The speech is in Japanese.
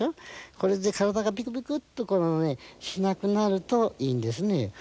これで体がビクビクっとしなくなるといいんですね。